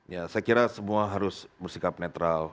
ya saya kira semua harus bersikap netral